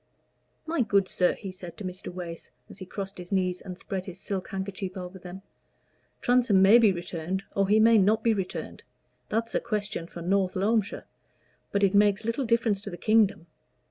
"My good sir," he said to Mr. Wace, as he crossed his knees and spread his silk handkerchief over them, "Transome may be returned, or he may not be returned that's a question for North Loamshire; but it makes little difference to the kingdom.